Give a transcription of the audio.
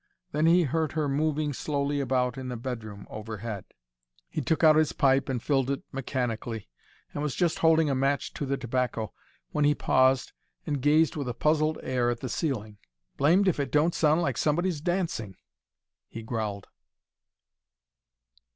Then he heard her moving slowly about in the bedroom overhead. He took out his pipe and filled it mechanically, and was just holding a match to the tobacco when he paused and gazed with a puzzled air at the ceiling. "Blamed if it don't sound like somebody dancing!" he growled.